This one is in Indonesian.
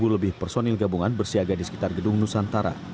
dua puluh lebih personil gabungan bersiaga di sekitar gedung nusantara